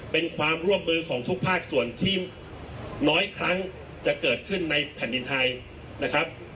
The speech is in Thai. เป็นความร่วมมือของทุกภาคส่วนที่น้อยครั้งจะเกิดขึ้นในแผ่นดินไทยนะครับ